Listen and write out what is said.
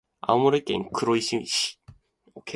青森県黒石市